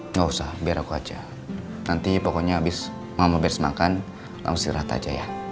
nggak usah biar aku aja nanti pokoknya abis mama beres makan langsung istirahat aja ya